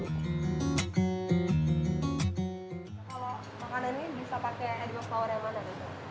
kalau makanan ini bisa pakai air dry power yang mana